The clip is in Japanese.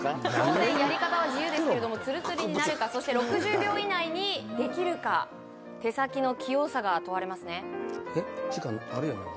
当然やり方は自由ですけれどもツルツルになるかそして６０秒以内に出来るか手先の器用さが問われますねえっ時間あるやんな？